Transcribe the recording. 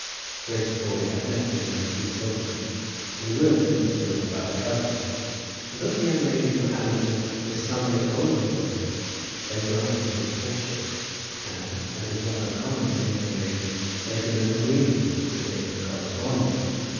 Grace Crawley had met the young lady at Silverbridge, and words had been spoken about the cousin; and though the young lady from Allington was some years older than Grace, there had grown up to be a friendship, and, as is not uncommon between young ladies, there had been an agreement that they would correspond.